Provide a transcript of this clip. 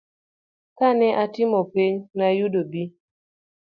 Kane atimo penj, nayudo B.